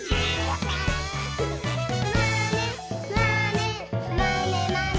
「まねまねまねまね」